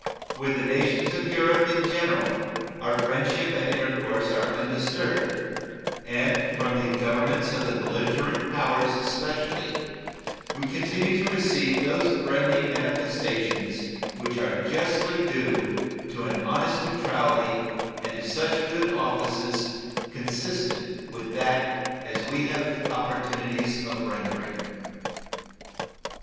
With the nations of Europe in general our friendship and intercourse are undisturbed, and from the Governments of the belligerent powers especially we continue to receive those friendly manifestations which are justly due to an honest neutrality and to such good offices consistent with that as we have opportunities of rendering.